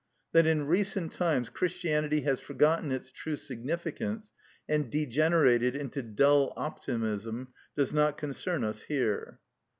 That in recent times Christianity has forgotten its true significance, and degenerated into dull optimism, does not concern us here.